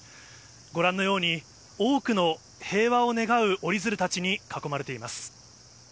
ご覧のように、多くの平和を願う折り鶴たちに囲まれています。